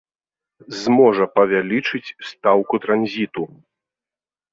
Зможа павялічыць стаўку транзіту.